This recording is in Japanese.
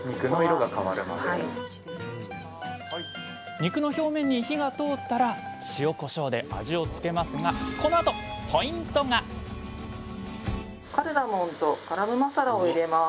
肉の表面に火が通ったら塩こしょうで味をつけますがこのあとカルダモンとガラムマサラを入れます。